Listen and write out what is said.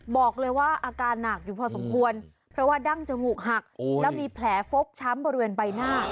บอกเลยว่าอาการหนักอยู่พอสมควรเพราะว่าดั้งจมูกหักแล้วมีแผลฟกช้ำบริเวณใบหน้า